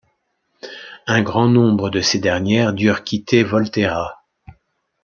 Un grand nombre de ces dernières durent quitter Volterra.